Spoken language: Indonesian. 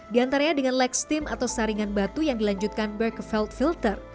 diantaranya dengan leg steam atau saringan batu yang dilanjutkan berkefeld filter